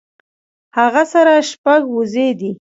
هغۀ سره شپږ وزې دي